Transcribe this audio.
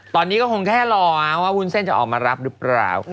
ตอนนี้ก็คงแค่รอว่าวุ้นเส้นจะออกมารับหรือเปล่า